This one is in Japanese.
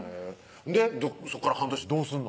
そこから半年どうすんの？